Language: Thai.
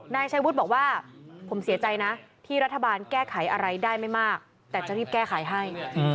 นายชัยวุฒิบอกว่าผมเสียใจนะที่รัฐบาลแก้ไขอะไรได้ไม่มากแต่จะรีบแก้ไขให้